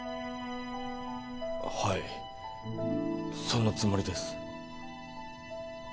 はいそのつもりです